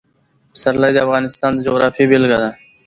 پسرلی د افغانستان د جغرافیې بېلګه ده.